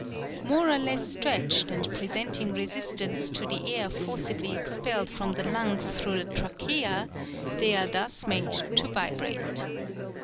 More or less stretched, and presenting resistance to the air forcibly ex pelled from the lungs through the trachea, they are thus made to vibrate.